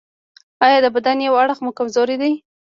ایا د بدن یو اړخ مو کمزوری دی؟